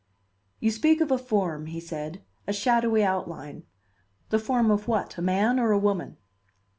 "You speak of a form," he said, "a shadowy outline. The form of what? A man or a woman?"